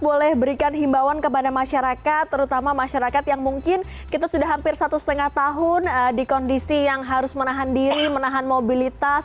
boleh berikan himbawan kepada masyarakat terutama masyarakat yang mungkin kita sudah hampir satu setengah tahun di kondisi yang harus menahan diri menahan mobilitas